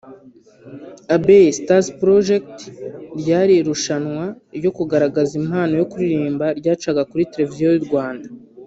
Abbey Stars Project’ ryari irushanwa ryo kugaragaza impano yo kuririmba ryacaga kuri televiziyo y’u Rwanda